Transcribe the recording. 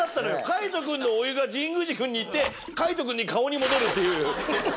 海人君のお湯が神宮寺君に行って海人君の顔に戻るっていう。